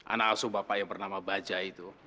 anak asuh bapak yang bernama baja itu